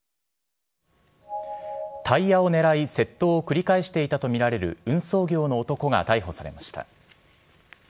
タイヤを狙い窃盗を繰り返していたとみられる運送業の男が逮捕されました。